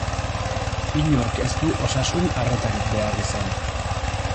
Inork ez du osasun arretarik behar izan.